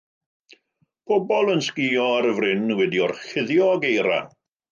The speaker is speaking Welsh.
Pobl yn sgïo ar fryn wedi'i orchuddio ag eira.